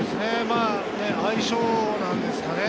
相性なんですかね？